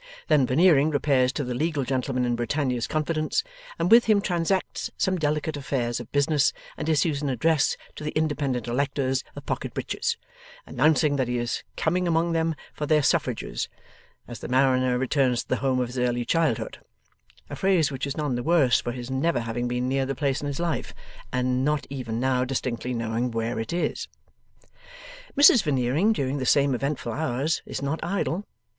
Then Veneering repairs to the legal gentleman in Britannia's confidence, and with him transacts some delicate affairs of business, and issues an address to the independent electors of Pocket Breaches, announcing that he is coming among them for their suffrages, as the mariner returns to the home of his early childhood: a phrase which is none the worse for his never having been near the place in his life, and not even now distinctly knowing where it is. Mrs Veneering, during the same eventful hours, is not idle.